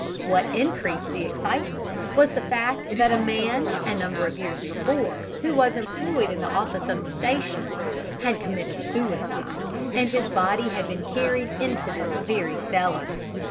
What increased the excitement was the fact that a man a number of years before, who was employed in the office of the station, had committed suicide, and his body had been carried into this very cellar.